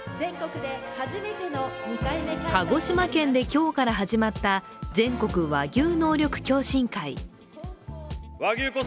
鹿児島県で今日から始まった全国和牛能力共進会。